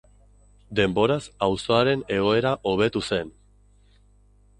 Denboraz auzoaren egoera hobetu zen.